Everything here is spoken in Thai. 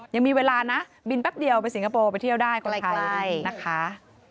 ยังมีเวลานะบินแป๊บเดียวไปสิงคโปร์ไปเที่ยวได้คนไทยนะคะ